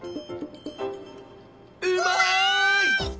うまい！